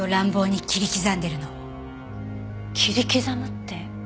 切り刻むって？